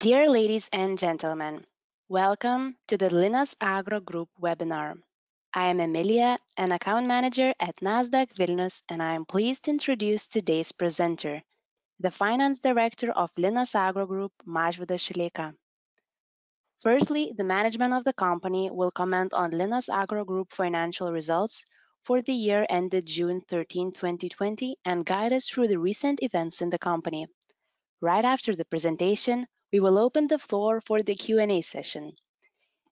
Dear ladies and gentlemen, welcome to the Linas Agro Group webinar. I am Emilija, an Account Manager at Nasdaq Vilnius, and I am pleased to introduce today's presenter, the Finance Director of Linas Agro Group, Mažvydas Šileika. Firstly, the management of the company will comment on Linas Agro Group financial results for the year ended June 13, 2020, and guide us through the recent events in the company. Right after the presentation, we will open the floor for the Q&A session.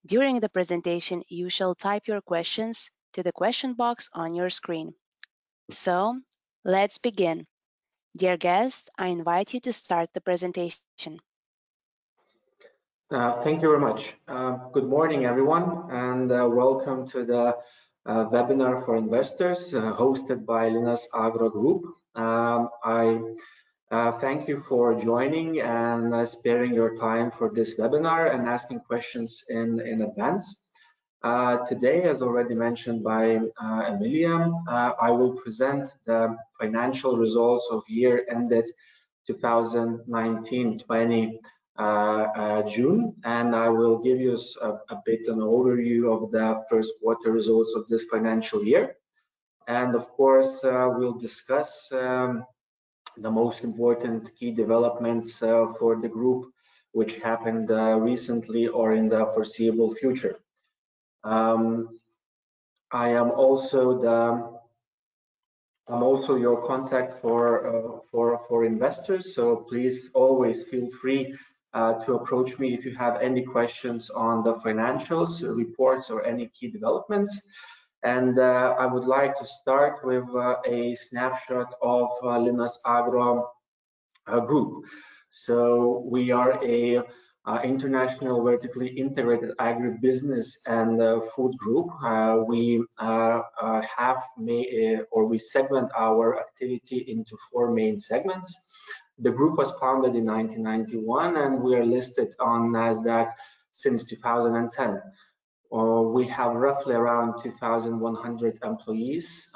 During the presentation, you shall type your questions to the question box on your screen. Let's begin. Dear guest, I invite you to start the presentation. Thank you very much. Good morning, everyone, and welcome to the webinar for investors hosted by Linas Agro Group. I thank you for joining and sparing your time for this webinar and asking questions in advance. Today, as already mentioned by Emilija, I will present the financial results of year ended 2019- 2020 June, and I will give you a bit of an overview of the first quarter results of this financial year. Of course, we'll discuss the most important key developments for the group which happened recently or in the foreseeable future. I am also your contact for investors, please always feel free to approach me if you have any questions on the financials, reports, or any key developments. I would like to start with a snapshot of Linas Agro Group. We are an international vertically integrated agribusiness and food group. We segment our activity into four main segments. The group was founded in 1991, and we are listed on Nasdaq since 2010. We have roughly around 2,100 employees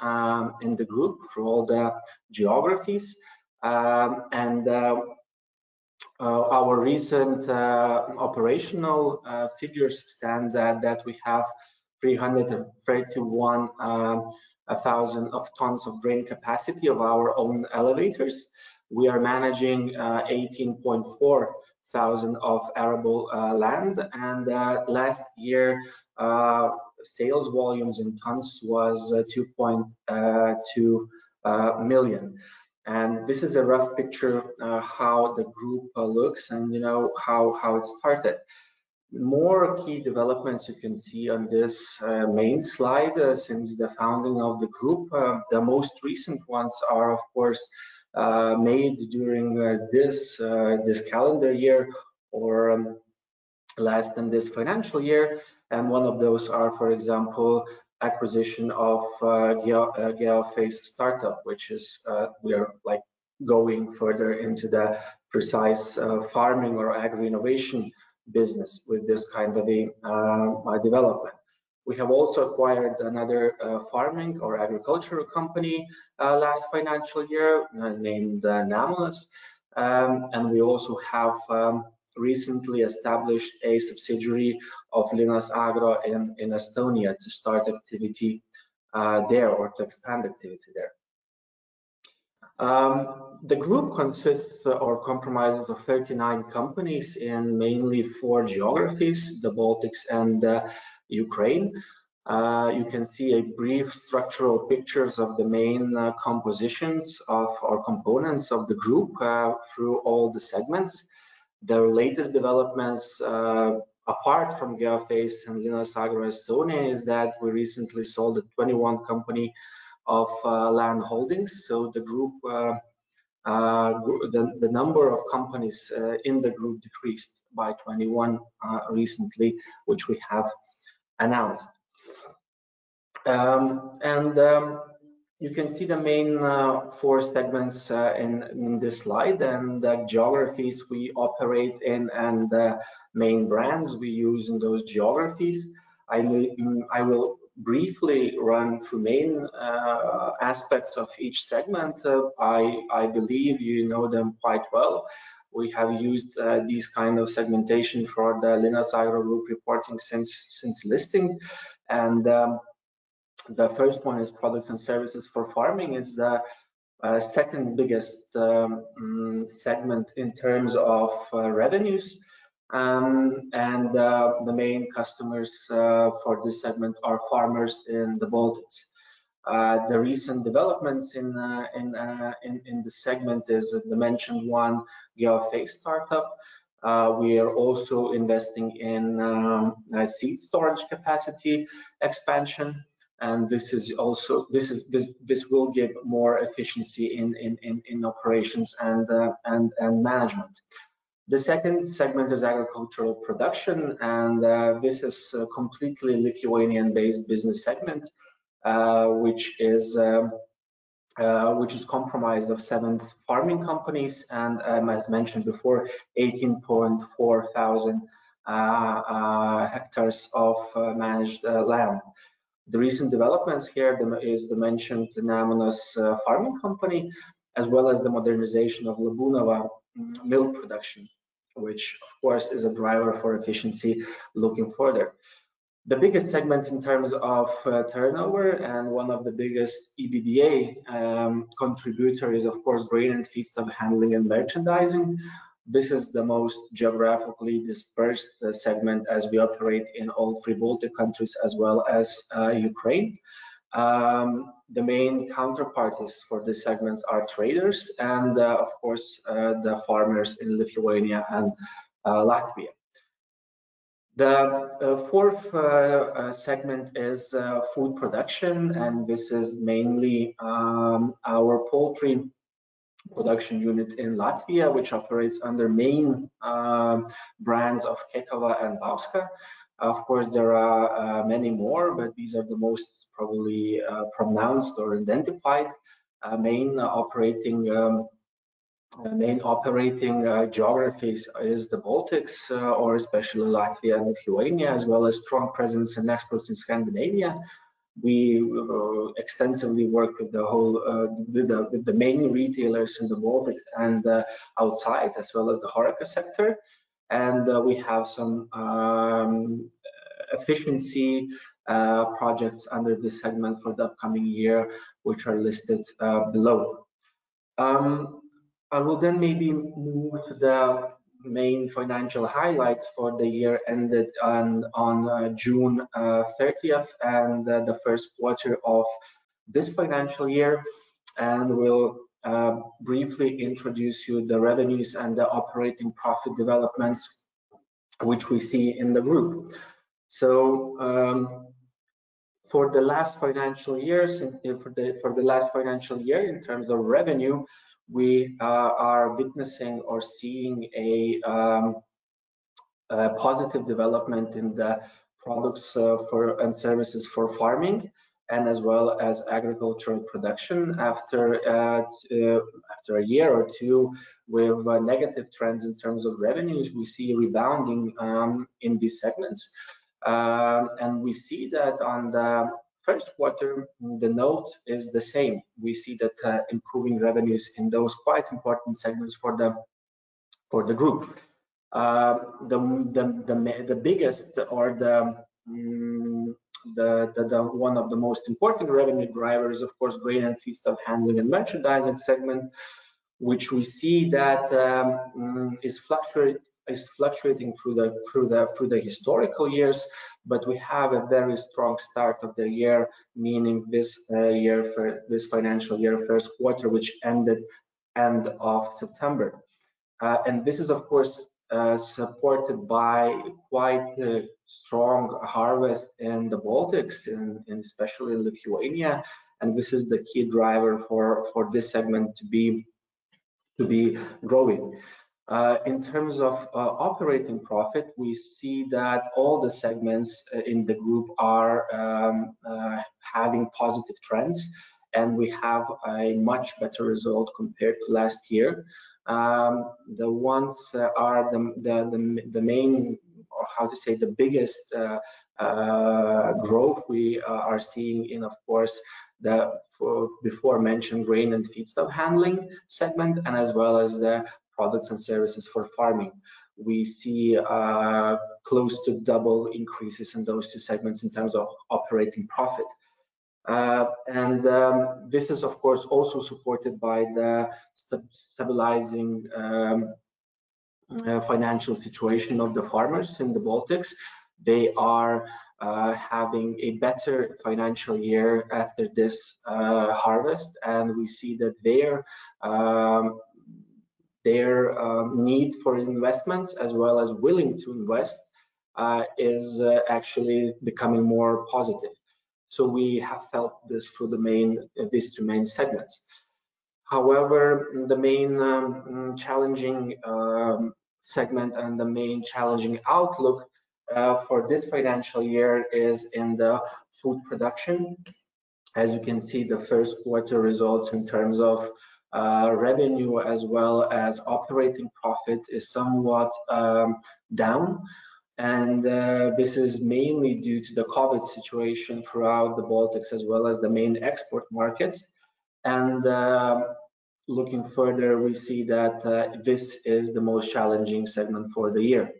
in the group for all the geographies. Our recent operational figures stand at that we have 331,000 tons of grain capacity of our own elevators. We are managing 18,400 of arable land, and last year, sales volumes in tons was 2.2 million. This is a rough picture of how the group looks and how it started. More key developments you can see on this main slide since the founding of the group. The most recent ones are, of course, made during this calendar year or less than this financial year. One of those are, for example, acquisition of GeoFace startup, which is we are going further into the precise farming or agri-innovation business with this kind of a development. We have also acquired another farming or agricultural company last financial year named Anamelis. We also have recently established a subsidiary of Linas Agro in Estonia to start activity there or to expand activity there. The group consists or comprises of 39 companies in mainly four geographies, the Baltics and Ukraine. You can see a brief structural picture of the main compositions of our components of the group through all the segments. The latest developments apart from GeoFace and Linas Agro Estonia is that we recently sold 21 company of land holdings. The number of companies in the group decreased by 21 recently, which we have announced. You can see the main four segments in this slide and the geographies we operate in and the main brands we use in those geographies. I will briefly run through main aspects of each segment. I believe you know them quite well. We have used these kind of segmentation for the Linas Agro Group reporting since listing. The first one is products and services for farming. It's the second biggest segment in terms of revenues. The main customers for this segment are farmers in the Baltics. The recent developments in the segment is the mentioned one, GeoFace startup. We are also investing in seed storage capacity expansion, and this will give more efficiency in operations and management. The second segment is agricultural production, and this is completely Lithuanian-based business segment, which is comprised of seven farming companies and, as mentioned before, 18,400 hectares of managed land. The recent developments here is the mentioned Navmanas Farming company, as well as the modernization of Labūnavos ŽŪB milk production, which of course, is a driver for efficiency looking further. The biggest segment in terms of turnover and one of the biggest EBITDA contributor is, of course, grain and feedstock handling and merchandising. This is the most geographically dispersed segment as we operate in all three Baltic countries as well as Ukraine. The main counterparties for these segments are traders and, of course, the farmers in Lithuania and Latvia. The fourth segment is food production, and this is mainly our poultry production unit in Latvia, which operates under main brands of Ķekava and Bauska. Of course, there are many more, but these are the most probably pronounced or identified. Main operating geographies is the Baltics or especially Latvia and Lithuania, as well as strong presence and exports in Scandinavia. We extensively work with the main retailers in the Baltics and outside, as well as the HORECA sector. We have some efficiency projects under this segment for the upcoming year, which are listed below. I will then maybe move the main financial highlights for the year ended on June 30th and the first quarter of this financial year, and will briefly introduce you the revenues and the operating profit developments which we see in the group. For the last financial year, in terms of revenue, we are witnessing or seeing a positive development in the products and services for farming and as well as agricultural production after a year or two with negative trends in terms of revenues, we see rebounding in these segments. We see that on the first quarter, the note is the same. We see that improving revenues in those quite important segments for the group. One of the most important revenue drivers, of course, grain and feedstock handling and merchandising segment, which we see that is fluctuating through the historical years. We have a very strong start of the year, meaning this financial year, first quarter, which ended end of September. This is, of course, supported by quite a strong harvest in the Baltics and especially in Lithuania. This is the key driver for this segment to be growing. In terms of operating profit, we see that all the segments in the group are having positive trends, and we have a much better result compared to last year. The ones that are the main, the biggest growth we are seeing in, of course, the before mentioned grain and feedstock handling segment, and as well as the products and services for farming. We see close to double increases in those two segments in terms of operating profit. This is, of course, also supported by the stabilizing financial situation of the farmers in the Baltics. They are having a better financial year after this harvest, and we see that their need for investment as well as willing to invest is actually becoming more positive. We have felt this through these two main segments. However, the main challenging segment and the main challenging outlook for this financial year is in the food production. As you can see, the first quarter results in terms of revenue as well as operating profit is somewhat down. This is mainly due to the COVID situation throughout the Baltics as well as the main export markets. Looking further, we see that this is the most challenging segment for the year.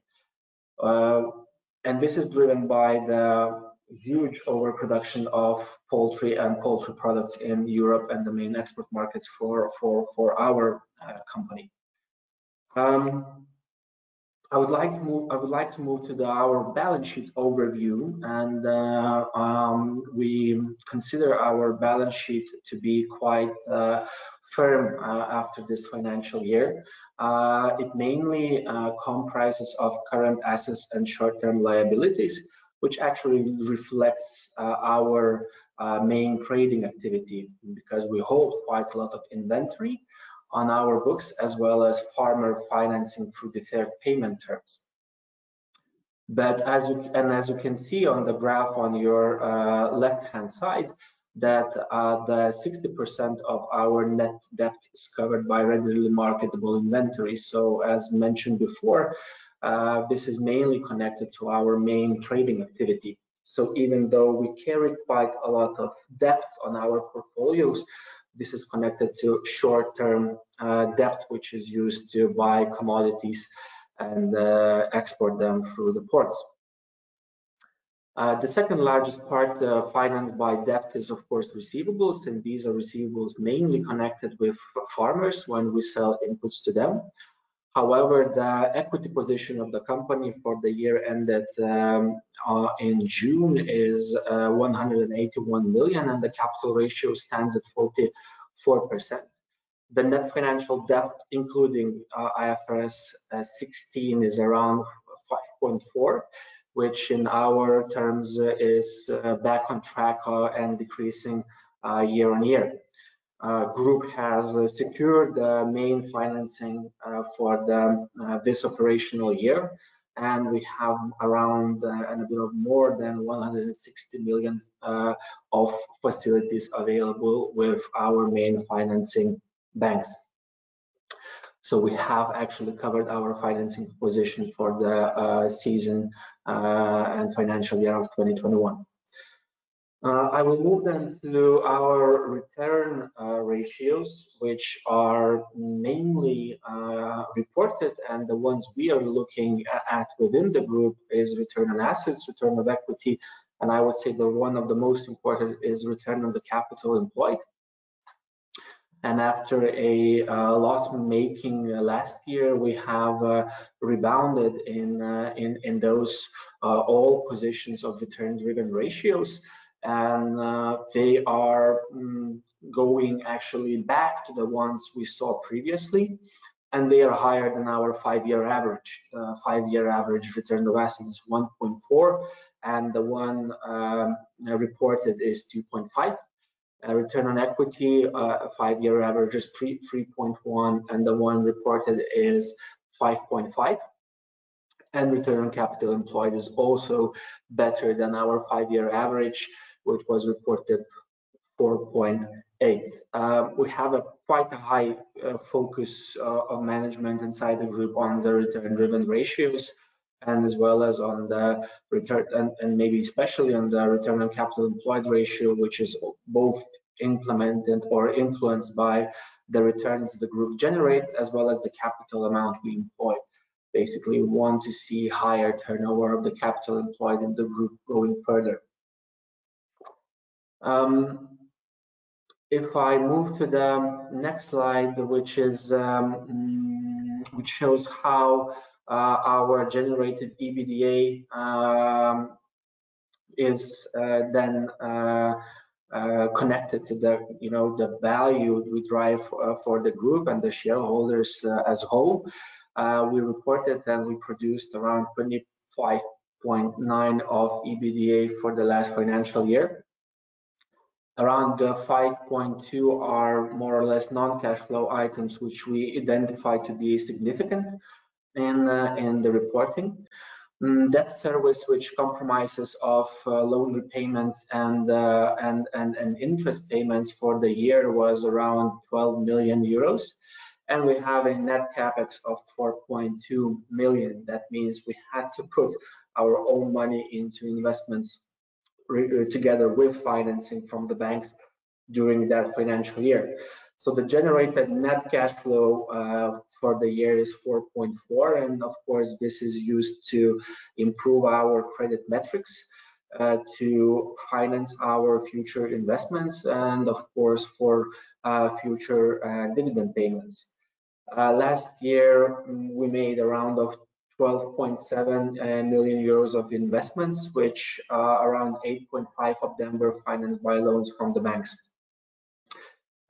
This is driven by the huge overproduction of poultry and poultry products in Europe and the main export markets for our company. I would like to move to our balance sheet overview. We consider our balance sheet to be quite firm after this financial year. It mainly comprises of current assets and short-term liabilities, which actually reflects our main trading activity because we hold quite a lot of inventory on our books, as well as farmer financing through deferred payment terms. As you can see on the graph on your left-hand side, that the 60% of our net debt is covered by regularly marketable inventory. As mentioned before, this is mainly connected to our main trading activity. Even though we carried quite a lot of debt on our portfolios, this is connected to short-term debt, which is used to buy commodities and export them through the ports. The second largest part financed by debt is, of course, receivables, and these are receivables mainly connected with farmers when we sell inputs to them. The equity position of the company for the year end in June is 181 million, and the capital ratio stands at 44%. The net financial debt, including IFRS 16, is around 5.4 million, which in our terms is back on track and decreasing year-on-year. Group has secured the main financing for this operational year, we have around and a bit of more than 160 million of facilities available with our main financing banks. We have actually covered our financing position for the season, and financial year of 2021. I will move to our return ratios, which are mainly reported and the ones we are looking at within the Group is return on assets, return on equity, and I would say the one of the most important is return on the capital employed. After a loss-making last year, we have rebounded in those all positions of return-driven ratios. They are going actually back to the ones we saw previously, and they are higher than our five-year average. Five-year average return on assets is 1.4 and the one reported is 2.5. Return on equity, five-year average is 3.1, and the one reported is 5.5. Return on capital employed is also better than our five-year average, which was reported 4.8. We have quite a high focus of management inside the group on the return-driven ratios and as well as on the return and maybe especially on the return on capital employed ratio, which is both implemented or influenced by the returns the group generate as well as the capital amount we employ. Basically, we want to see higher turnover of the capital employed in the group going further. If I move to the next slide, which shows how our generated EBITDA is then connected to the value we drive for the group and the shareholders as a whole. We reported that we produced around 25.9 of EBITDA for the last financial year. Around 5.2 are more or less non-cash flow items, which we identify to be significant in the reporting. Debt service which comprises of loan repayments and interest payments for the year was around 12 million euros. We have a net CapEx of 4.2 million. That means we had to put our own money into investments together with financing from the banks during that financial year. The generated net cash flow for the year is 4.4 million, and of course, this is used to improve our credit metrics, to finance our future investments and of course, for future dividend payments. Last year, we made around 12.7 million euros of investments, which around 8.5 million of them were financed by loans from the banks.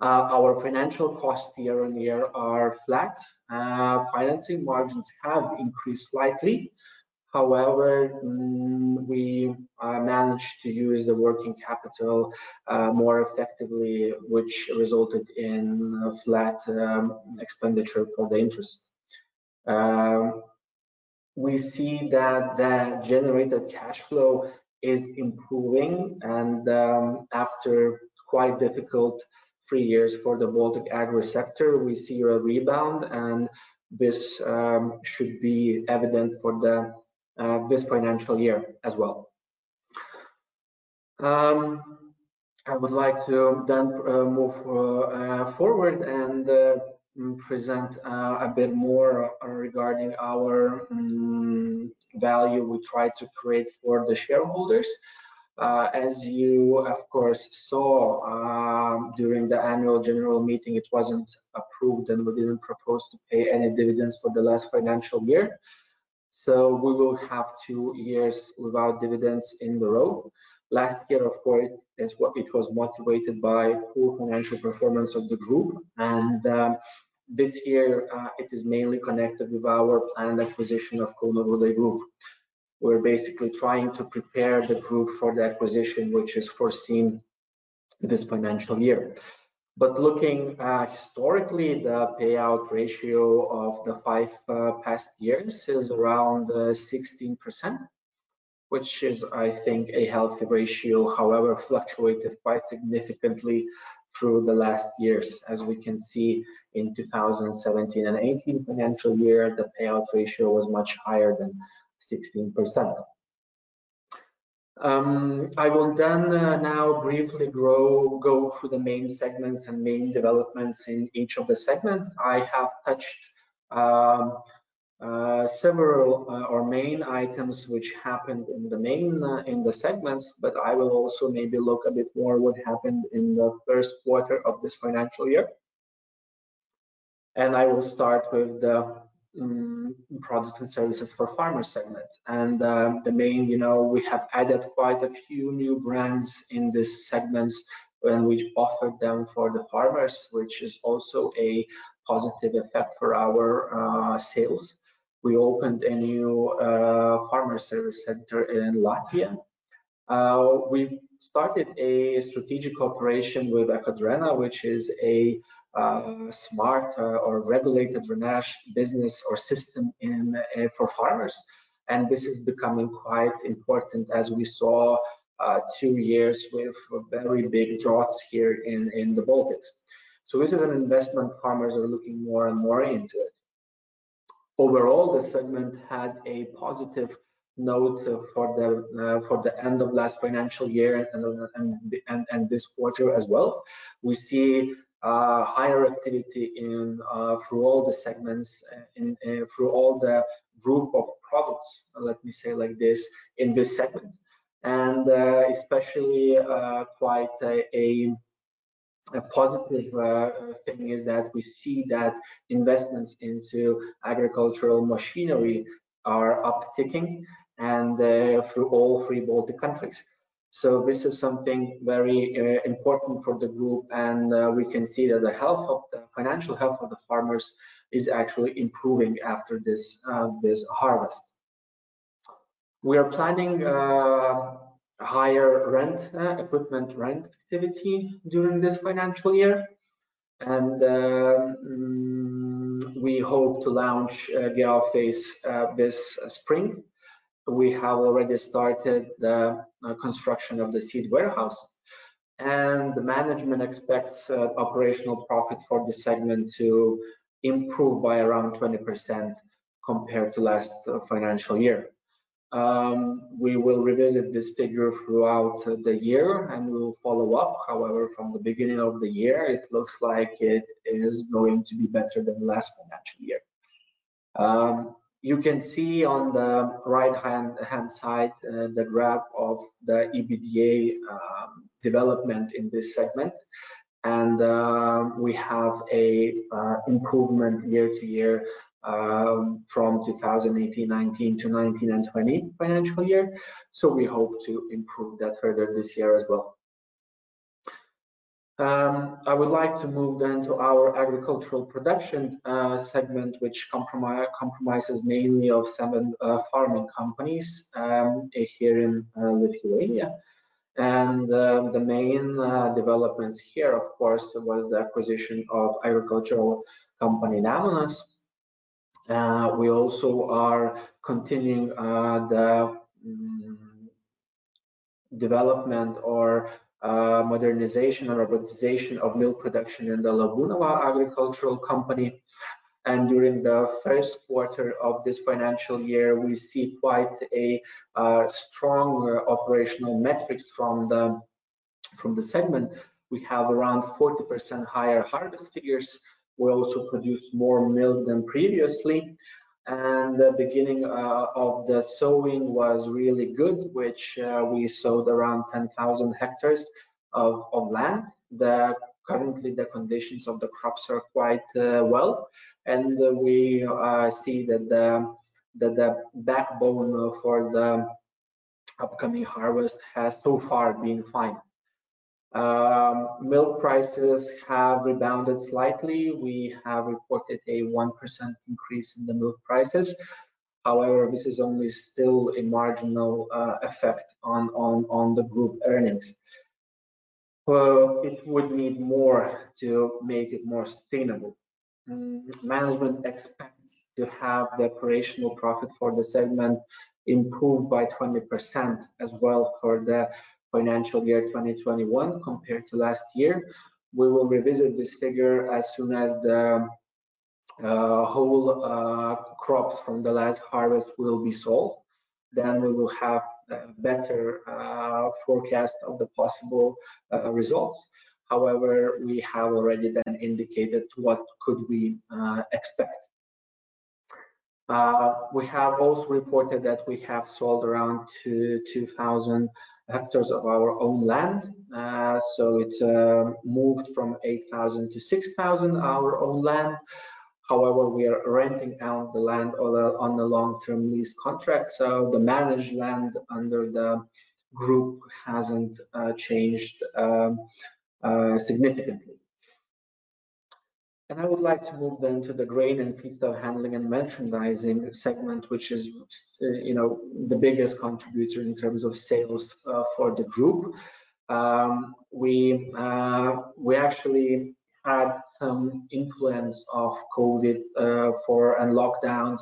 Our financial costs year-on-year are flat. Financing margins have increased slightly. However, we managed to use the working capital more effectively, which resulted in a flat expenditure for the interest. We see that the generated cash flow is improving and after quite difficult three years for the Baltic Agro Sector, we see a rebound and this should be evident for this financial year as well. I would like to move forward and present a bit more regarding our value we try to create for the shareholders. As you of course saw, during the annual general meeting, it wasn't approved and we didn't propose to pay any dividends for the last financial year. We will have two years without dividends in the row. Last year, of course, it was motivated by poor financial performance of the group. This year, it is mainly connected with our planned acquisition of Kauno Grūdai Group. We're basically trying to prepare the group for the acquisition, which is foreseen this financial year. Looking historically, the payout ratio of the five past years is around 16%, which is, I think, a healthy ratio. However, fluctuated quite significantly through the last years. As we can see in 2017 and 2018 financial year, the payout ratio was much higher than 16%. I will now briefly go through the main segments and main developments in each of the segments. I have touched several or main items which happened in the segments, but I will also maybe look a bit more what happened in the first quarter of this financial year. I will start with the products and services for farmer segments. We have added quite a few new brands in this segments when we offered them for the farmers, which is also a positive effect for our sales. We opened a new farmer service center in Latvia. We started a strategic operation with EkoDrena, which is a smart or regulated drainage business or system for farmers. This is becoming quite important as we saw two years with very big droughts here in the Baltics. This is an investment farmers are looking more and more into. Overall, the segment had a positive note for the end of last financial year and this quarter as well. We see higher activity through all the segments and through all the group of products, let me say like this, in this segment. Especially quite a positive thing is that we see that investments into agricultural machinery are upticking and through all three Baltic countries. This is something very important for the group, and we can see that the financial health of the farmers is actually improving after this harvest. We are planning higher equipment rent activity during this financial year, and we hope to launch GeoFace this spring. We have already started the construction of the seed warehouse, and the management expects operational profit for the segment to improve by around 20% compared to last financial year. We will revisit this figure throughout the year and we will follow up. From the beginning of the year, it looks like it is going to be better than last financial year. You can see on the right-hand side the graph of the EBITDA development in this segment. We have a improvement year-to-year from 2018 and 2019 to 2019 and 2020 financial year. We hope to improve that further this year as well. I would like to move to our agricultural production segment, which comprises mainly of seven farming companies here in Lithuania. The main developments here, of course, was the acquisition of agricultural company, Navmanas. We also are continuing the development or modernization or robotization of milk production in the Labūnavos agricultural company. During the first quarter of this financial year, we see quite a strong operational metrics from the segment. We have around 40% higher harvest figures. We also produced more milk than previously. The beginning of the sowing was really good, which we sowed around 10,000 hectares of land. Currently, the conditions of the crops are quite well, and we see that the backbone for the upcoming harvest has so far been fine. Milk prices have rebounded slightly. We have reported a 1% increase in the milk prices. However, this is only still a marginal effect on the group earnings. It would need more to make it more sustainable. Management expects to have the operational profit for the segment improved by 20% as well for the financial year 2021 compared to last year. We will revisit this figure as soon as the whole crops from the last harvest will be sold. We will have a better forecast of the possible results. We have already then indicated what could we expect. We have also reported that we have sold around 2,000 hectares of our own land. It moved from 8,000 to 6,000 our own land. We are renting out the land on the long-term lease contract. The managed land under the group hasn't changed significantly. I would like to move then to the grain and feedstock handling and merchandising segment, which is the biggest contributor in terms of sales for the group. We actually had some influence of COVID and lockdowns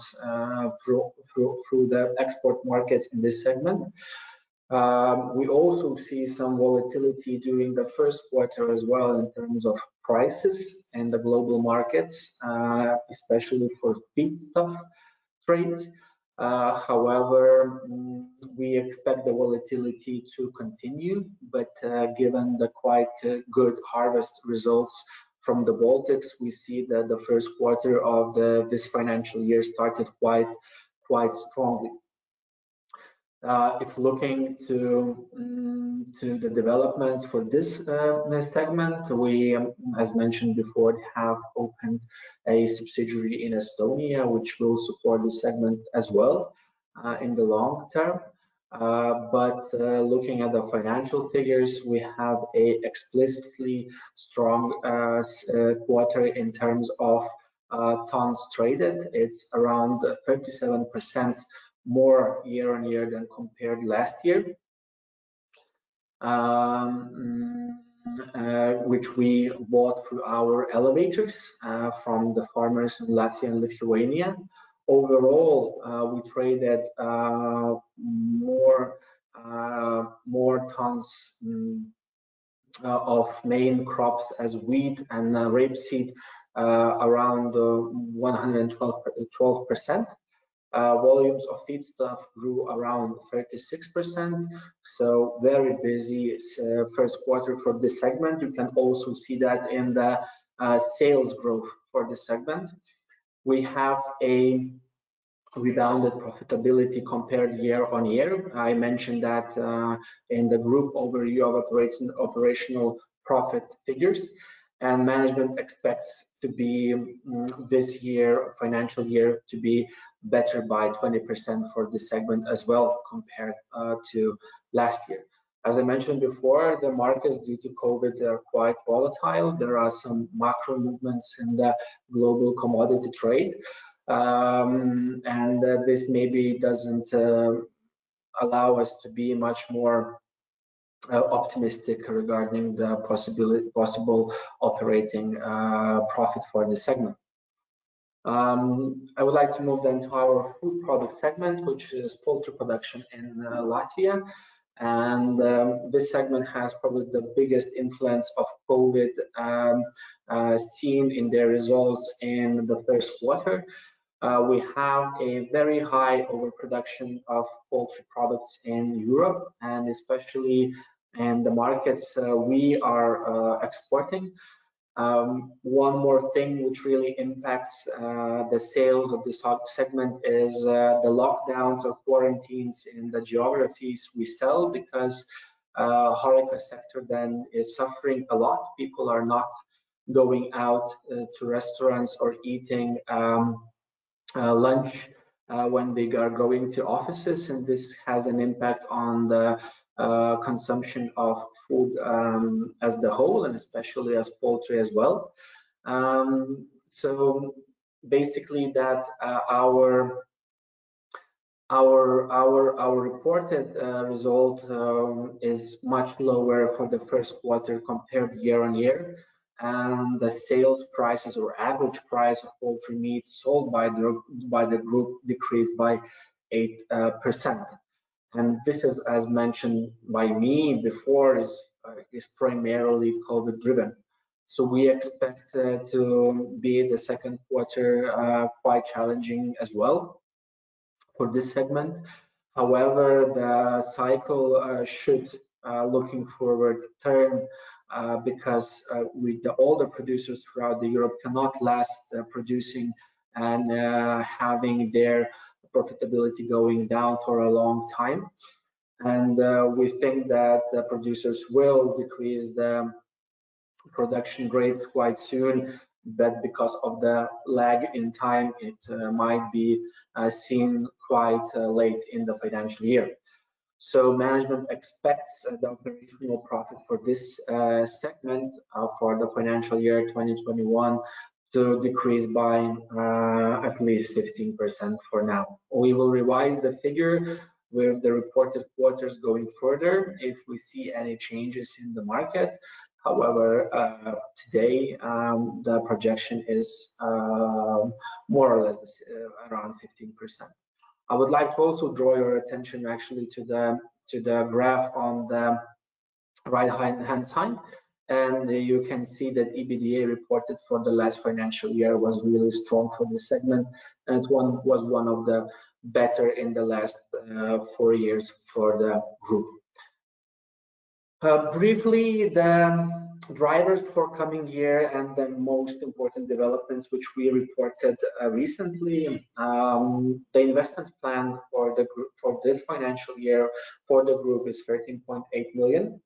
through the export markets in this segment. We also see some volatility during the first quarter as well in terms of prices in the global markets, especially for feedstock trades. We expect the volatility to continue, given the quite good harvest results from the Baltics, we see that the first quarter of this financial year started quite strongly. If looking to the developments for this segment, we, as mentioned before, have opened a subsidiary in Estonia, which will support this segment as well in the long term. Looking at the financial figures, we have a explicitly strong quarter in terms of tons traded. It's around 37% more year-on-year than compared last year, which we bought through our elevators from the farmers in Latvia and Lithuania. Overall, we traded more tons of main crops as wheat and rapeseed around 112%. Volumes of feedstock grew around 36%, very busy first quarter for this segment. You can also see that in the sales growth for this segment. We have a rebounded profitability compared year-on-year. I mentioned that in the group overview of operational profit figures, and management expects this financial year to be better by 20% for this segment as well compared to last year. As I mentioned before, the markets due to COVID are quite volatile. There are some macro movements in the global commodity trade, and this maybe doesn't allow us to be much more optimistic regarding the possible operating profit for this segment. I would like to move then to our food product segment, which is poultry production in Latvia. This segment has probably the biggest influence of COVID seen in the results in the first quarter. We have a very high overproduction of poultry products in Europe and especially in the markets we are exporting. One more thing which really impacts the sales of this segment is the lockdowns or quarantines in the geographies we sell. HORECA sector then is suffering a lot. People are not going out to restaurants or eating lunch when they are going to offices. This has an impact on the consumption of food as the whole and especially as poultry as well. Basically, our reported result is much lower for the first quarter compared year-on-year. The sales prices or average price of poultry meat sold by the group decreased by 8%. This is, as mentioned by me before, is primarily COVID driven. We expect to be the second quarter quite challenging as well for this segment. The cycle should, looking forward, turn because with the older producers throughout Europe cannot last producing and having their profitability going down for a long time. We think that the producers will decrease the production grades quite soon, but because of the lag in time, it might be seen quite late in the financial year. Management expects the operational profit for this segment for the financial year 2021 to decrease by at least 15% for now. We will revise the figure with the reported quarters going further if we see any changes in the market. Today, the projection is more or less around 15%. I would like to also draw your attention actually to the graph on the right-hand side. You can see that EBITDA reported for the last financial year was really strong for this segment, and was one of the better in the last four years for the group. Briefly, the drivers for coming year and the most important developments which we reported recently. The investments plan for this financial year for the group is 13.8 million,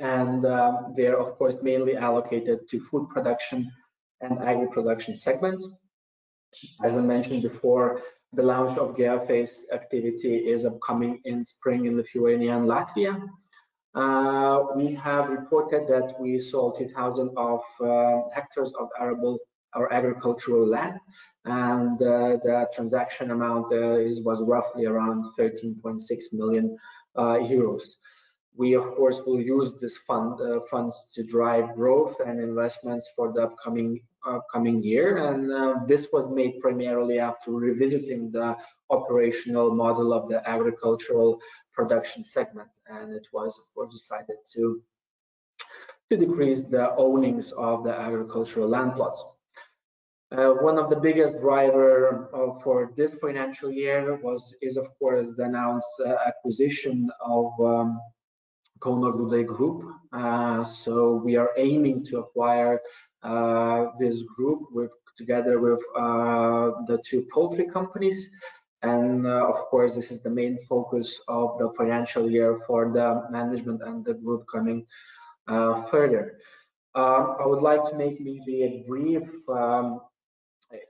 and they are, of course, mainly allocated to food production and agri production segments. As I mentioned before, the launch of GeoFace activity is upcoming in spring in Lithuania and Latvia. We have reported that we sold 2,000 hectares of arable or agricultural land, and the transaction amount was roughly around 13.6 million euros. We, of course, will use these funds to drive growth and investments for the upcoming year. This was made primarily after revisiting the operational model of the agricultural production segment. It was, of course, decided to decrease the ownings of the agricultural land plots. One of the biggest driver for this financial year is, of course, the announced acquisition of Kauno Grūdai. We are aiming to acquire this group together with the two poultry companies. Of course, this is the main focus of the financial year for the management and the group coming further. I would like to maybe a brief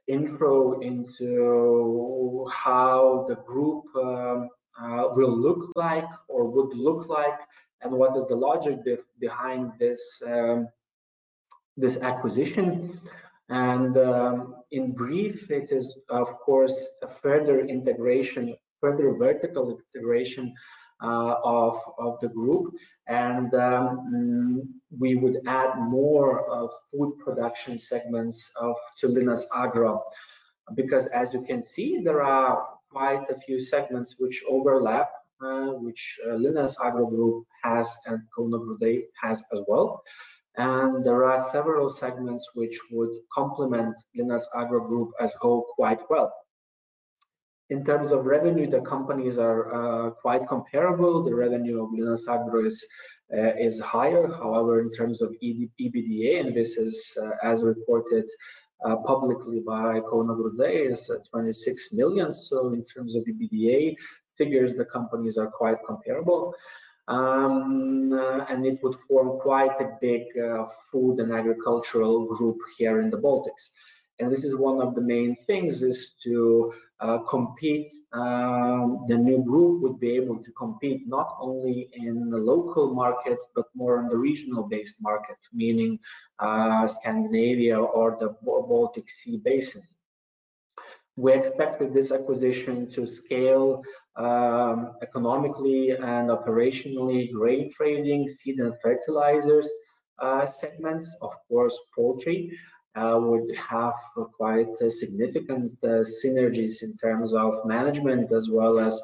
intro into how the group will look like or would look like, and what is the logic behind this acquisition. In brief, it is, of course, a further vertical integration of the group. We would add more of food production segments to Linas Agro. As you can see, there are quite a few segments which overlap, which Linas Agro Group has and Kauno Grūdai has as well. There are several segments which would complement Linas Agro Group as a whole quite well. In terms of revenue, the companies are quite comparable. The revenue of Linas Agro is higher. However, in terms of EBITDA, and this is as reported publicly by Kauno Grūdai, is 26 million. In terms of EBITDA figures, the companies are quite comparable. It would form quite a big food and agricultural group here in the Baltics. This is one of the main things, is to compete. The new group would be able to compete not only in the local markets but more in the regional-based market, meaning Scandinavia or the Baltic Sea basin. We expected this acquisition to scale economically and operationally grain trading, seed and fertilizers segments. Of course, poultry would have quite significant synergies in terms of management, as well as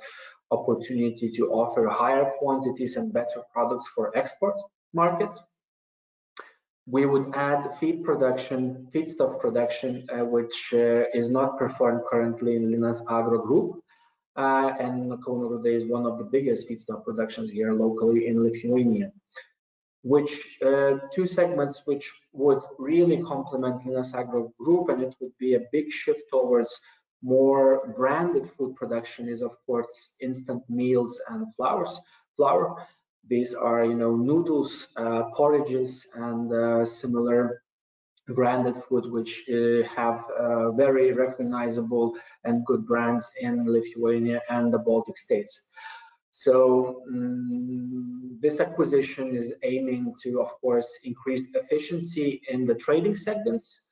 opportunity to offer higher quantities and better products for export markets. We would add feedstuff production, which is not performed currently in Linas Agro Group. Kauno Grūdai is one of the biggest feedstuff productions here locally in Lithuania. Two segments which would really complement Linas Agro Group, and it would be a big shift towards more branded food production is, of course, instant meals and flour. These are noodles, porridges, and similar branded food, which have very recognizable and good brands in Lithuania and the Baltic States. This acquisition is aiming to, of course, increase efficiency in the trading segments,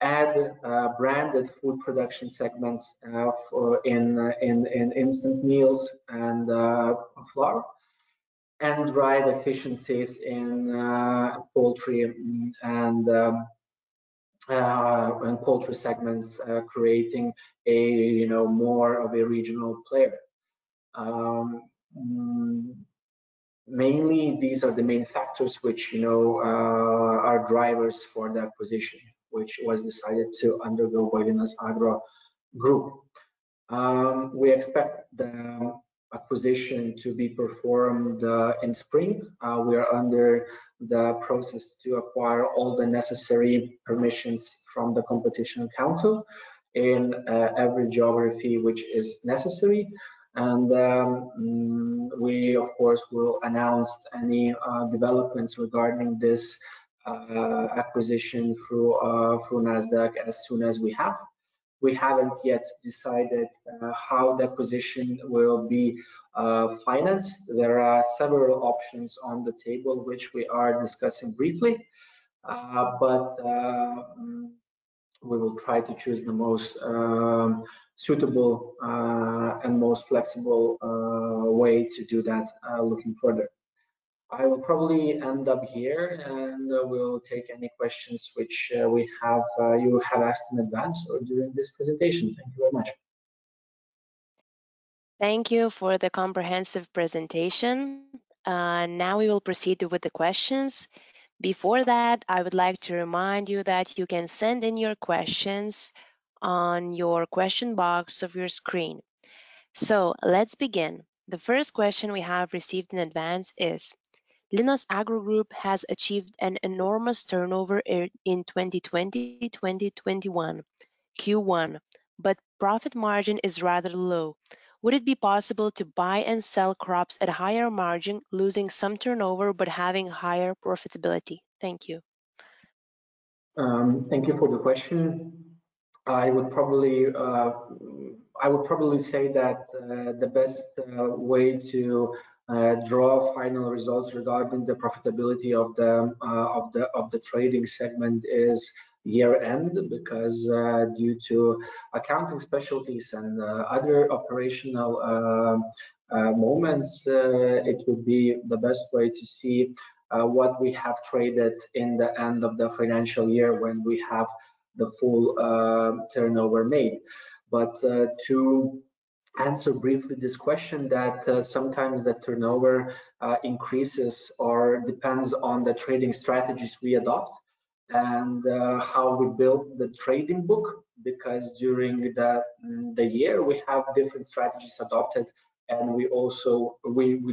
add branded food production segments in instant meals and flour, and drive efficiencies in poultry and poultry segments, creating more of a regional player. Mainly, these are the main factors which are drivers for the acquisition, which was decided to undergo by Linas Agro Group. We expect the acquisition to be performed in spring. We are under the process to acquire all the necessary permissions from the Competition Council in every geography which is necessary. We, of course, will announce any developments regarding this acquisition through Nasdaq as soon as we have. We haven't yet decided how the acquisition will be financed. There are several options on the table which we are discussing briefly. We will try to choose the most suitable and most flexible way to do that looking further. I will probably end up here, and we'll take any questions which you have asked in advance or during this presentation. Thank you very much. Thank you for the comprehensive presentation. Now we will proceed with the questions. Before that, I would like to remind you that you can send in your questions on your question box of your screen. Let's begin. The first question we have received in advance is, "Linas Agro Group has achieved an enormous turnover in 2020-2021 Q1, but profit margin is rather low. Would it be possible to buy and sell crops at a higher margin, losing some turnover but having higher profitability? Thank you. Thank you for the question. I would probably say that the best way to draw final results regarding the profitability of the trading segment is year-end, because due to accounting specialties and other operational moments, it would be the best way to see what we have traded in the end of the financial year when we have the full turnover made. To answer briefly this question that sometimes the turnover increases or depends on the trading strategies we adopt and how we build the trading book, because during the year, we have different strategies adopted, and we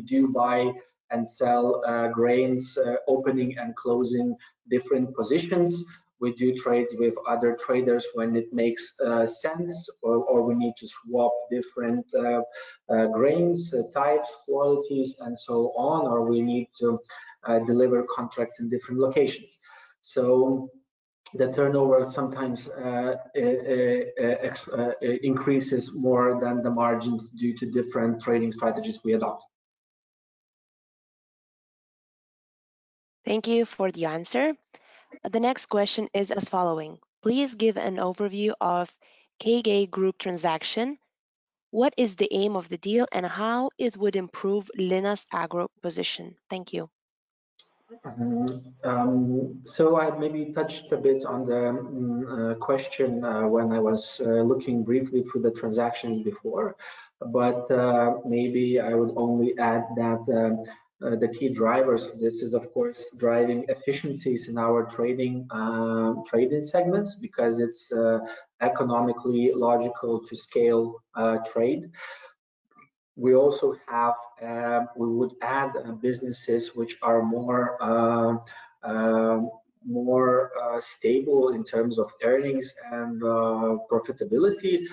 do buy and sell grains, opening and closing different positions. We do trades with other traders when it makes sense, or we need to swap different grains, types, qualities, and so on, or we need to deliver contracts in different locations. The turnover sometimes increases more than the margins due to different trading strategies we adopt. Thank you for the answer. The next question is as following: Please give an overview of KG Group transaction. What is the aim of the deal and how it would improve Linas Agro position? Thank you. I maybe touched a bit on the question when I was looking briefly through the transaction before, but maybe I would only add that the key drivers, this is of course, driving efficiencies in our trading segments because it's economically logical to scale trade. We would add businesses which are more stable in terms of earnings and profitability.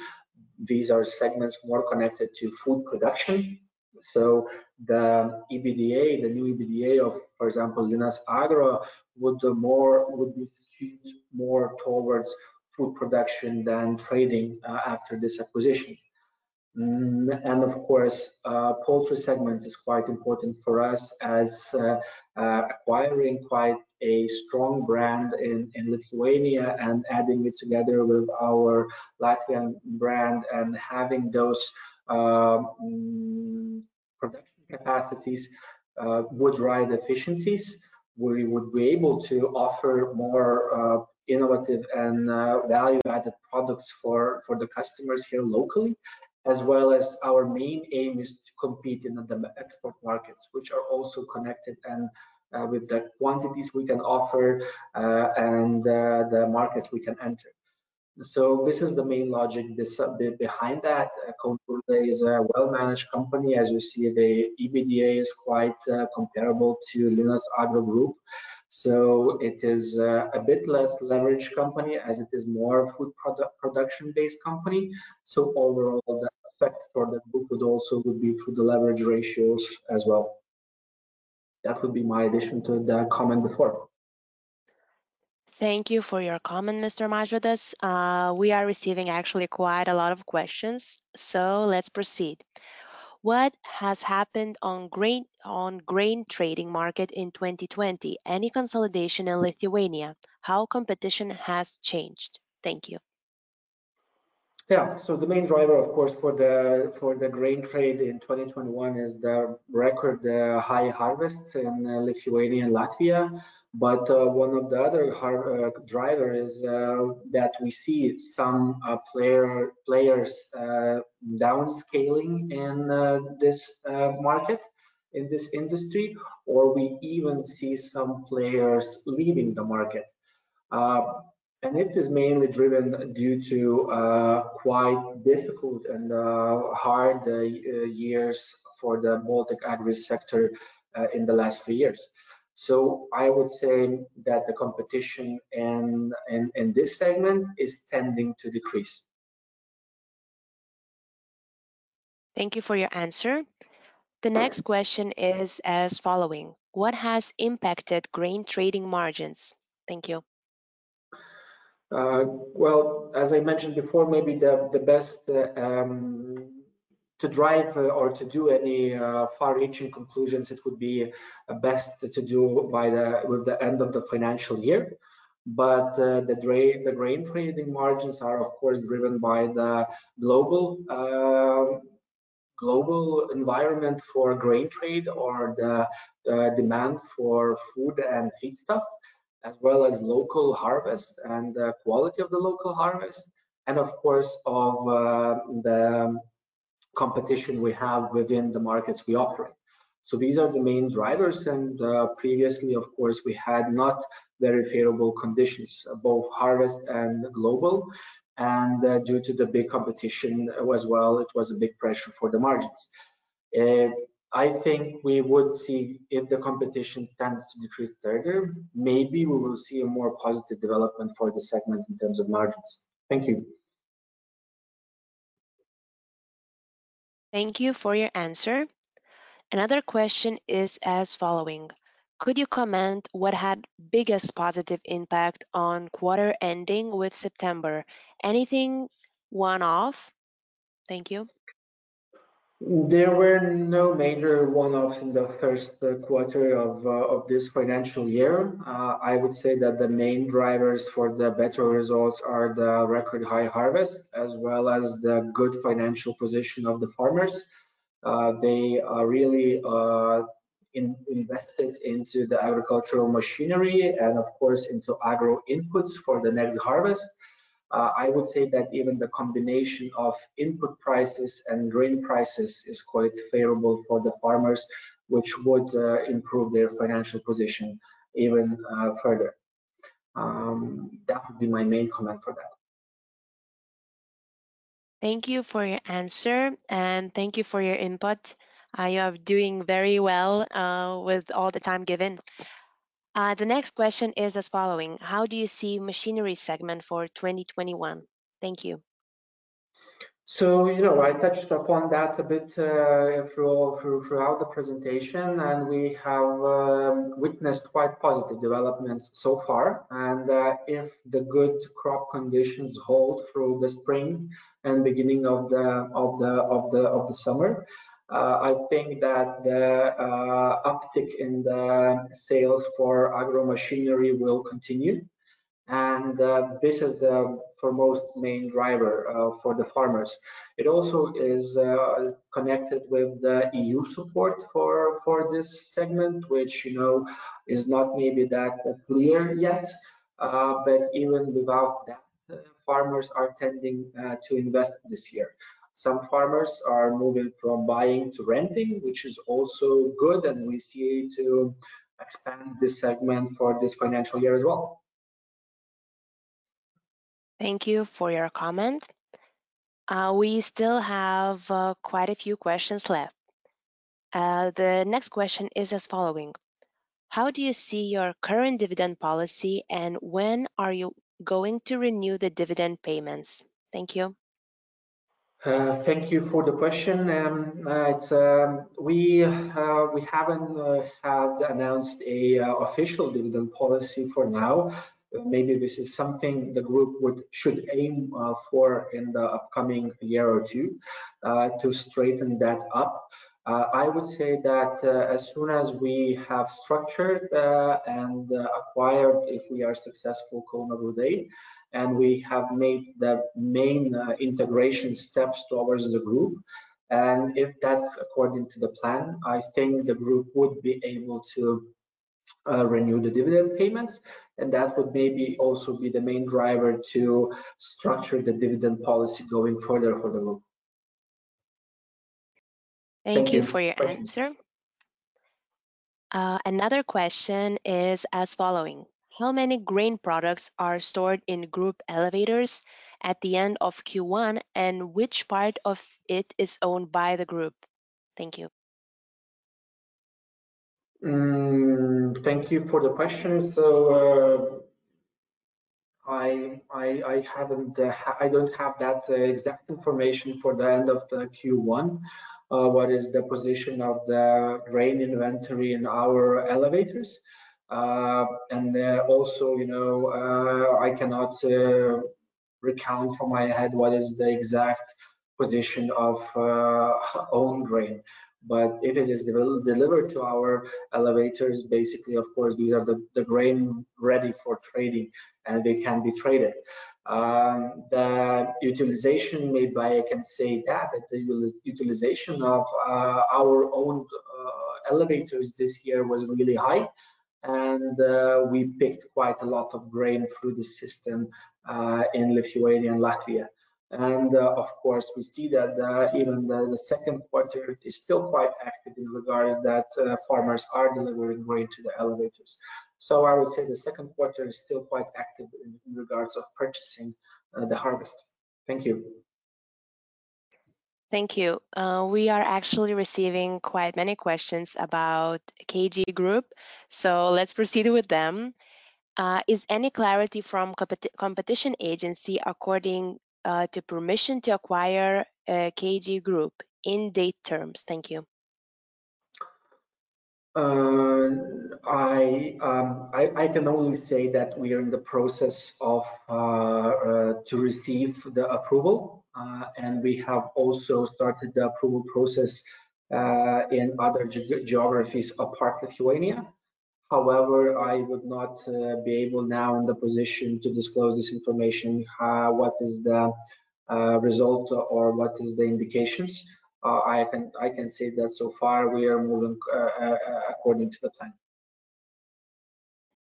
These are segments more connected to food production. The new EBITDA of, for example, Linas Agro would be skewed more towards food production than trading after this acquisition. Of course, poultry segment is quite important for us as acquiring quite a strong brand in Lithuania and adding it together with our Latvian brand and having those production capacities would drive efficiencies. We would be able to offer more innovative and value-added products for the customers here locally, as well as our main aim is to compete in the export markets, which are also connected and with the quantities we can offer, and the markets we can enter. This is the main logic behind that. Kauno Grūdai is a well-managed company. As you see, the EBITDA is quite comparable to Linas Agro Group. It is a bit less leveraged company as it is more food production based company. Overall, the effect for the group would also be through the leverage ratios as well. That would be my addition to the comment before. Thank you for your comment, Mr. Mažvydas. We are receiving actually quite a lot of questions. Let's proceed. What has happened on grain trading market in 2020? Any consolidation in Lithuania? How competition has changed? Thank you. The main driver, of course, for the grain trade in 2021 is the record high harvest in Lithuania and Latvia. One of the other driver is that we see some players downscaling in this market, in this industry, or we even see some players leaving the market. It is mainly driven due to quite difficult and hard years for the Baltic Agro Sector in the last few years. I would say that the competition in this segment is tending to decrease. Thank you for your answer. The next question is as following: What has impacted grain trading margins? Thank you. Well, as I mentioned before, to drive or to do any far-reaching conclusions, it would be best to do with the end of the financial year. The grain trading margins are, of course, driven by the global environment for grain trade or the demand for food and feedstuff, as well as local harvest and the quality of the local harvest, and of course, of the competition we have within the markets we operate. These are the main drivers and previously, of course, we had not very favorable conditions, both harvest and global, and due to the big competition as well, it was a big pressure for the margins. I think we would see if the competition tends to decrease further. Maybe we will see a more positive development for the segment in terms of margins. Thank you. Thank you for your answer. Another question is as following: could you comment what had biggest positive impact on quarter ending with September? Anything one-off? Thank you. There were no major one-offs in the first quarter of this financial year. I would say that the main drivers for the better results are the record high harvest, as well as the good financial position of the farmers. They really invested into the agricultural machinery and of course, into agro inputs for the next harvest. I would say that even the combination of input prices and grain prices is quite favorable for the farmers, which would improve their financial position even further. That would be my main comment for that. Thank you for your answer and thank you for your input. You are doing very well with all the time given. The next question is as following: how do you see machinery segment for 2021? Thank you. I touched upon that a bit throughout the presentation. We have witnessed quite positive developments so far. If the good crop conditions hold through the spring and beginning of the summer, I think that the uptick in the sales for agro machinery will continue. This is the foremost main driver for the farmers. It also is connected with the EU support for this segment, which is not maybe that clear yet. Even without that, farmers are tending to invest this year. Some farmers are moving from buying to renting, which is also good, and we see to expand this segment for this financial year as well. Thank you for your comment. We still have quite a few questions left. The next question is as following: how do you see your current dividend policy, and when are you going to renew the dividend payments? Thank you. Thank you for the question. We haven't had announced a official dividend policy for now. Maybe this is something the group should aim for in the upcoming year or two to straighten that up. I would say that as soon as we have structured and acquired, if we are successful, Kauno Grūdai, and we have made the main integration steps towards the group, and if that's according to the plan, I think the group would be able to renew the dividend payments, and that would maybe also be the main driver to structure the dividend policy going further for the group. Thank you. Thank you for your answer. Another question is as following: how many grain products are stored in group elevators at the end of Q1, and which part of it is owned by the group? Thank you. Thank you for the question. I don't have that exact information for the end of the Q1, what is the position of the grain inventory in our elevators. Also, I cannot recount from my head what is the exact position of owned grain. If it is delivered to our elevators, basically, of course, these are the grain ready for trading, and they can be traded. I can say that the utilization of our own elevators this year was really high, and we picked quite a lot of grain through the system, in Lithuania and Latvia. Of course, we see that even the second quarter is still quite active in regards that farmers are delivering grain to the elevators. I would say the second quarter is still quite active in regards of purchasing the harvest. Thank you. Thank you. We are actually receiving quite many questions about KG Group, so let's proceed with them. Is any clarity from competition agency according to permission to acquire KG Group in date terms? Thank you. I can only say that we are in the process to receive the approval. We have also started the approval process, in other geographies apart Lithuania. I would not be able now in the position to disclose this information, what is the result or what is the indications. I can say that so far we are moving according to the plan.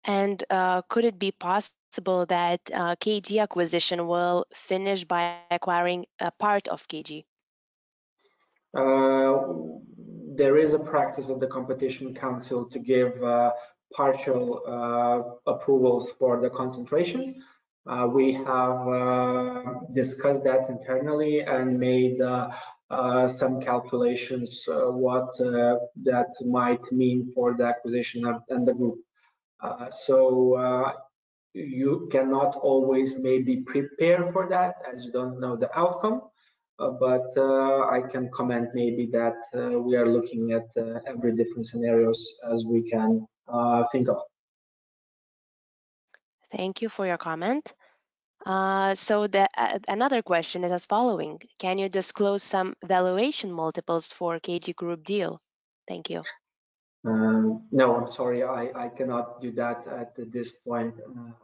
Could it be possible that KG acquisition will finish by acquiring a part of KG? There is a practice of the Competition Council to give partial approvals for the concentration. We have discussed that internally and made some calculations what that might mean for the acquisition and the group. You cannot always maybe prepare for that as you don't know the outcome. I can comment maybe that we are looking at every different scenario as we can think of. Thank you for your comment. Another question is as following: Can you disclose some valuation multiples for KG Group deal? Thank you. No, I'm sorry. I cannot do that at this point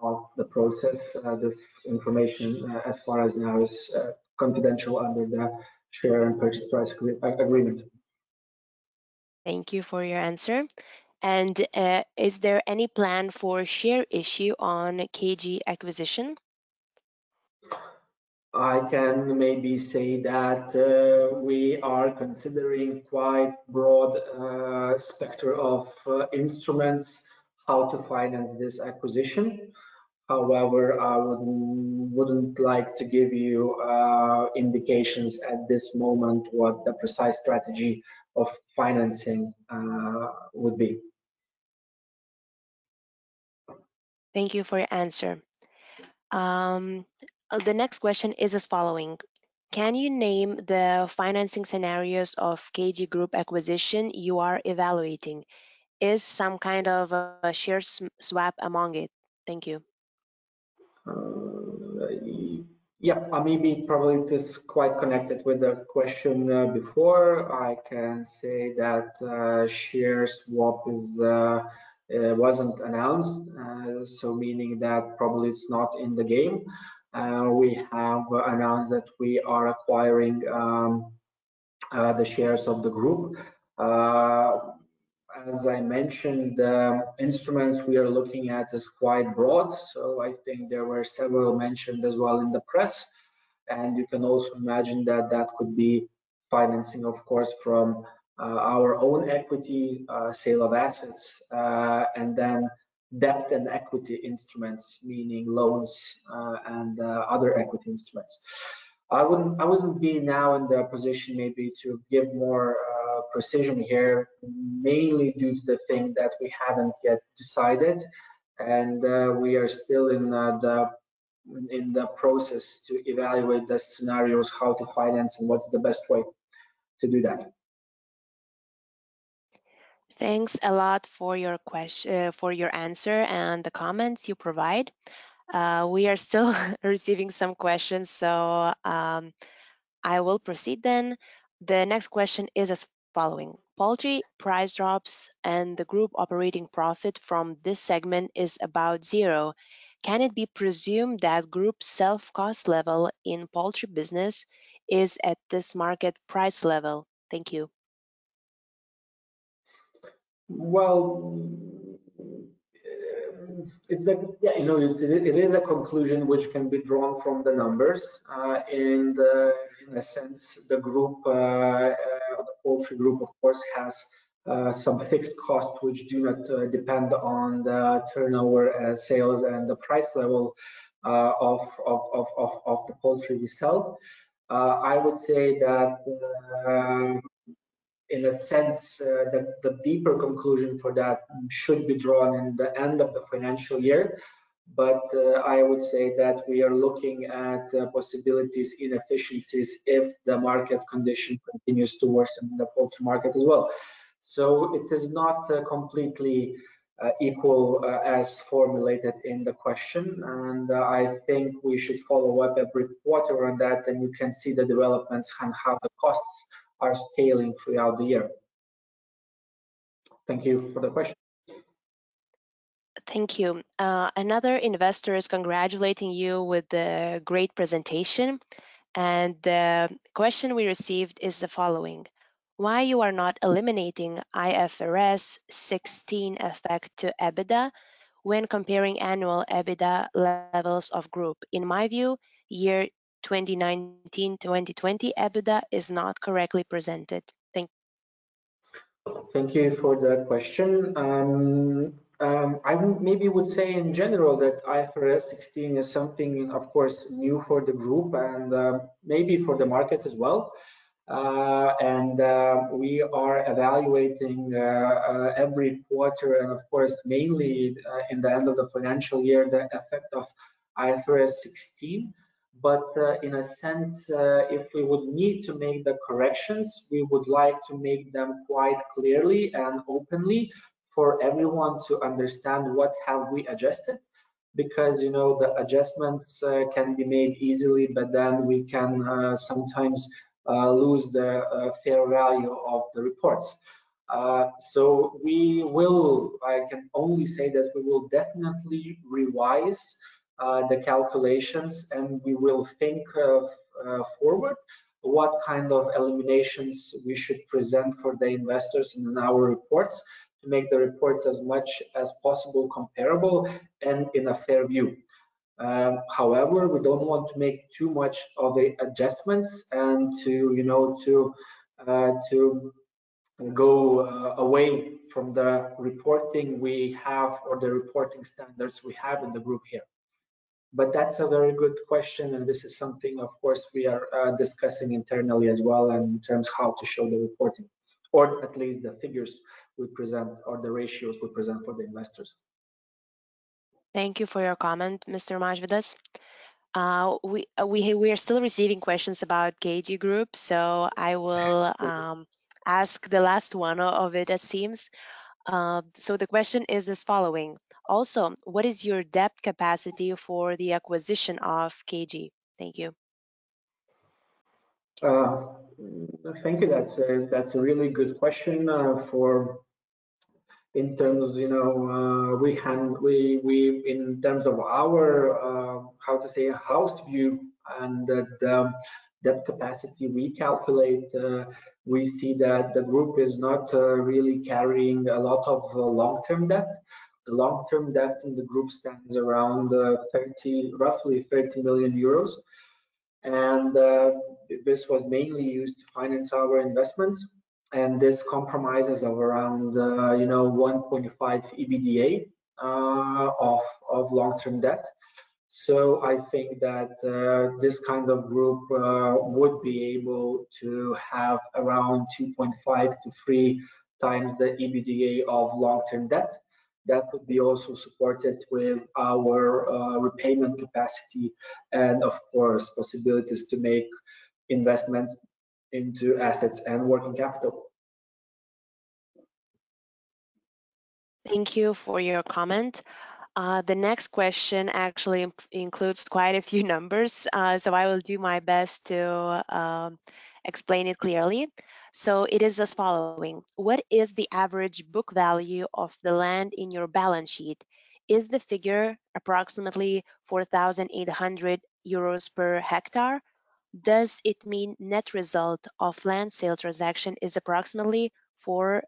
of the process. This information, as far as I know, is confidential under the share and purchase price agreement. Thank you for your answer. Is there any plan for share issue on KG acquisition? I can maybe say that we are considering quite broad sector of instruments how to finance this acquisition. However, I wouldn't like to give you indications at this moment what the precise strategy of financing would be. Thank you for your answer. The next question is as following: Can you name the financing scenarios of KG Group acquisition you are evaluating? Is some kind of share swap among it? Thank you. Yeah, maybe probably it is quite connected with the question before. I can say that share swap wasn't announced, meaning that probably it's not in the game. We have announced that we are acquiring the shares of the group. As I mentioned, the instruments we are looking at is quite broad, I think there were several mentioned as well in the press. You can also imagine that that could be financing, of course, from our own equity, sale of assets, and then debt and equity instruments, meaning loans, and other equity instruments. I wouldn't be now in the position maybe to give more precision here, mainly due to the thing that we haven't yet decided, we are still in the process to evaluate the scenarios, how to finance and what's the best way to do that. Thanks a lot for your answer and the comments you provide. We are still receiving some questions, so I will proceed then. The next question is as following: Poultry price drops and the group operating profit from this segment is about zero. Can it be presumed that group self-cost level in poultry business is at this market price level? Thank you. Well, it is a conclusion which can be drawn from the numbers. In a sense, the poultry group, of course, has some fixed costs which do not depend on the turnover sales and the price level of the poultry we sell. I would say that in a sense, the deeper conclusion for that should be drawn in the end of the financial year. I would say that we are looking at possibilities in efficiencies if the market condition continues to worsen in the poultry market as well. It is not completely equal as formulated in the question, and I think we should follow up every quarter on that, and you can see the developments and how the costs are scaling throughout the year. Thank you for the question. Thank you. Another investor is congratulating you with the great presentation. The question we received is the following: Why you are not eliminating IFRS 16 effect to EBITDA when comparing annual EBITDA levels of group? In my view, year 2019-2020 EBITDA is not correctly presented. Thank you. Thank you for that question. I maybe would say in general that IFRS 16 is something, of course, new for the group and maybe for the market as well. We are evaluating every quarter and of course, mainly in the end of the financial year, the effect of IFRS 16. In a sense, if we would need to make the corrections, we would like to make them quite clearly and openly for everyone to understand what have we adjusted. The adjustments can be made easily, but then we can sometimes lose the fair value of the reports. I can only say that we will definitely revise the calculations, and we will think forward what kind of eliminations we should present for the investors in our reports to make the reports as much as possible comparable and in a fair view. We don't want to make too much of the adjustments and to go away from the reporting we have or the reporting standards we have in the group here. That's a very good question, and this is something, of course, we are discussing internally as well, and in terms of how to show the reporting, or at least the figures we present or the ratios we present for the investors. Thank you for your comment, Mr. Mažvydas. We are still receiving questions about KG Group, so I will ask the last one of it seems. The question is as following. Also, what is your debt capacity for the acquisition of KG? Thank you. Thank you. That's a really good question. In terms of our house view and that debt capacity we calculate, we see that the group is not really carrying a lot of long-term debt. The long-term debt in the group stands around roughly 30 million euros. This was mainly used to finance our investments, and this comprises of around 1.5 EBITDA of long-term debt. I think that this kind of group would be able to have around 2.5 to 3x the EBITDA of long-term debt. That would be also supported with our repayment capacity and, of course, possibilities to make investments into assets and working capital. Thank you for your comment. The next question actually includes quite a few numbers, so I will do my best to explain it clearly. It is as following. What is the average book value of the land in your balance sheet? Is the figure approximately 4,800 euros per hectare? Does it mean net result of land sale transaction is approximately 4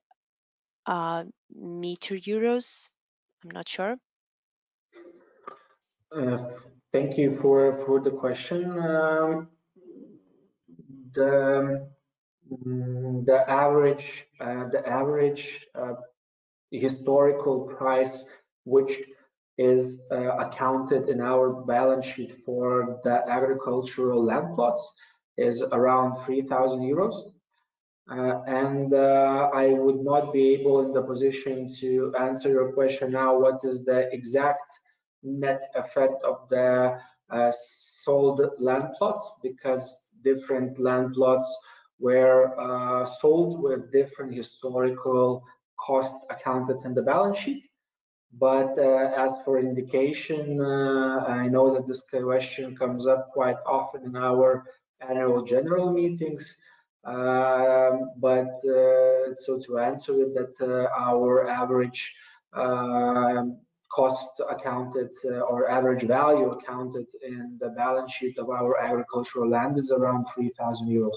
million euros? I am not sure. Thank you for the question. The average historical price, which is accounted in our balance sheet for the agricultural land plots, is around 3,000 euros. I would not be able in the position to answer your question now, what is the exact net effect of the sold land plots, because different land plots were sold with different historical cost accounted in the balance sheet. As for indication, I know that this question comes up quite often in our annual general meetings. To answer it, that our average cost accounted or average value accounted in the balance sheet of our agricultural land is around 3,000 euros.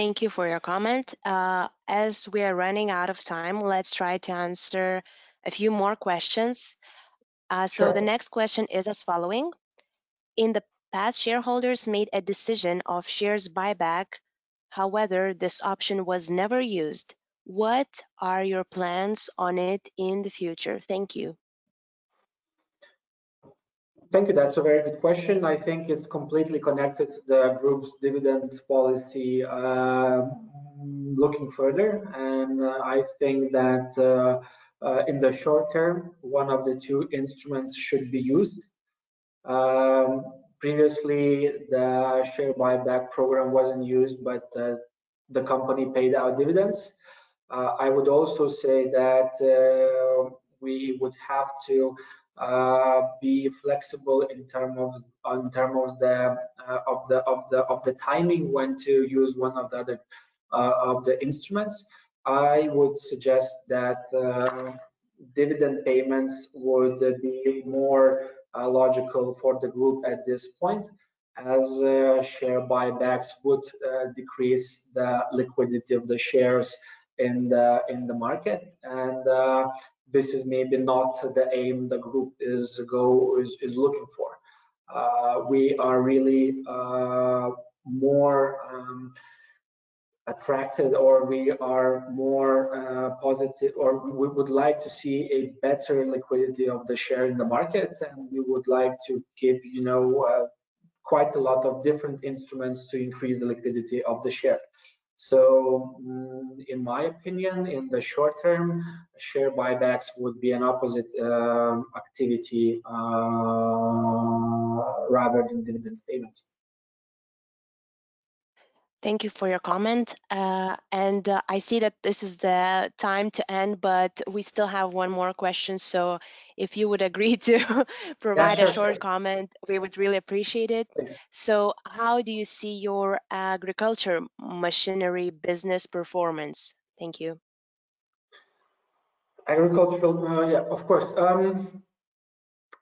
Thank you for your comment. As we are running out of time, let's try to answer a few more questions. Sure. The next question is as following. In the past, shareholders made a decision of shares buyback, however, this option was never used. What are your plans on it in the future? Thank you. Thank you. That's a very good question. I think it's completely connected to the group's dividend policy looking further. I think that in the short term, one of the two instruments should be used. Previously, the share buyback program wasn't used, but the company paid out dividends. I would also say that we would have to be flexible in terms of the timing when to use one of the instruments. I would suggest that dividend payments would be more logical for the group at this point, as share buybacks would decrease the liquidity of the shares in the market. This is maybe not the aim the group is looking for. We are really more attracted, or we are more positive, or we would like to see a better liquidity of the share in the market, and we would like to give quite a lot of different instruments to increase the liquidity of the share. In my opinion, in the short term, share buybacks would be an opposite activity rather than dividend payments. Thank you for your comment. I see that this is the time to end, but we still have one more question, so if you would agree to provide a short comment, we would really appreciate it. How do you see your agriculture machinery business performance? Thank you. Agricultural. Yeah, of course.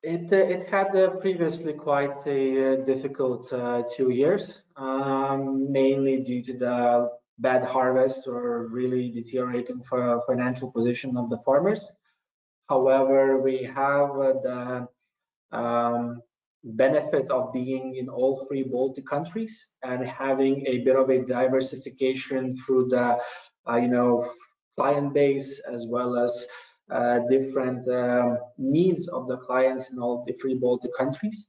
It had previously quite a difficult two years, mainly due to the bad harvest or really deteriorating financial position of the farmers. We have the benefit of being in all three Baltic countries and having a bit of a diversification through the client base, as well as different needs of the clients in all three Baltic countries.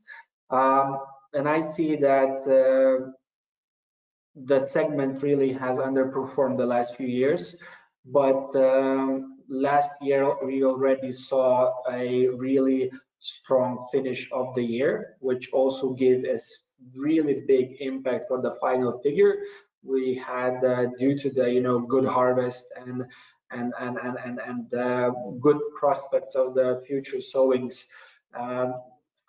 I see that the segment really has underperformed the last few years. Last year, we already saw a really strong finish of the year, which also gave us really big impact on the final figure we had due to the good harvest and the good prospects of the future sowings.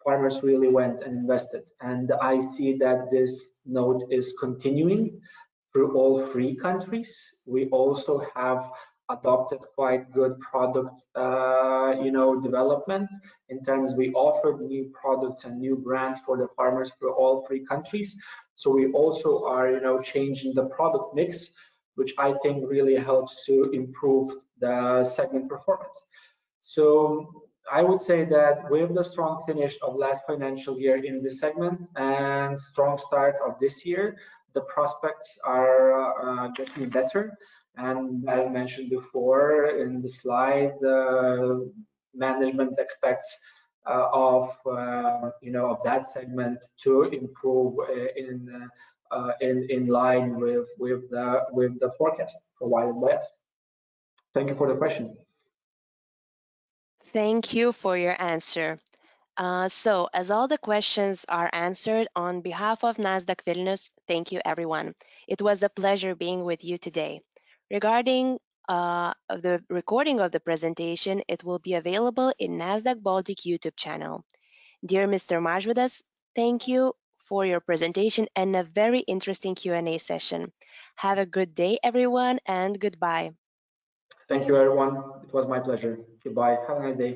Farmers really went and invested. I see that this note is continuing through all three countries. We also have adopted quite good product development in terms we offered new products and new brands for the farmers for all three countries. We also are changing the product mix, which I think really helps to improve the segment performance. I would say that with the strong finish of last financial year in this segment and strong start of this year, the prospects are getting better. As mentioned before in the slide, the management expects of that segment to improve in line with the forecast provided by us. Thank you for the question. Thank you for your answer. As all the questions are answered, on behalf of Nasdaq Vilnius, thank you, everyone. It was a pleasure being with you today. Regarding the recording of the presentation, it will be available in Nasdaq Baltic YouTube channel. Dear Mr. Mažvydas, thank you for your presentation and a very interesting Q&A session. Have a good day, everyone, and goodbye. Thank you, everyone. It was my pleasure. Goodbye. Have a nice day.